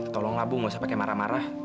tolonglah bu nggak usah pakai marah marah